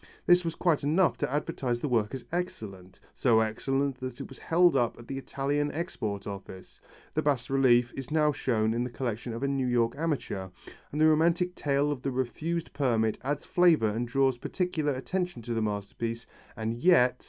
This was quite enough to advertise the work as excellent, so excellent that it was held up at the Italian Export Office. The bas relief is now shown in the collection of a New York amateur, and the romantic tale of the refused permit adds flavour and draws particular attention to the masterpiece, and yet